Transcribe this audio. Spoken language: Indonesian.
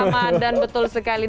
berkat ramadhan betul sekali